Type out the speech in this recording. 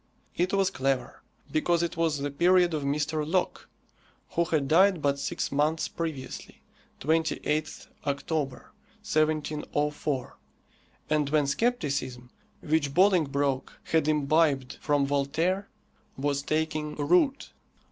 It was clever. Because it was the period of Mr. Locke, who had died but six months previously 28th October, 1704 and when scepticism, which Bolingbroke had imbibed from Voltaire, was taking root.